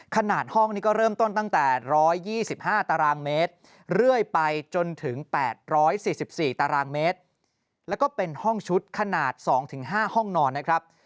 ห้องนี้ก็เริ่มต้นตั้งแต่๑๒๕ตารางเมตรเรื่อยไปจนถึง๘๔๔ตารางเมตรแล้วก็เป็นห้องชุดขนาด๒๕ห้องนอนนะครับ